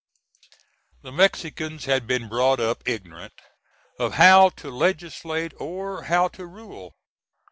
The Mexicans had been brought up ignorant of how to legislate or how to rule.